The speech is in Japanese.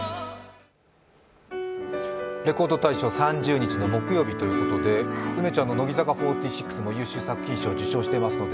レコード大賞３０日の木曜日ということで梅ちゃんの乃木坂４６も優秀作品賞を受賞していますので、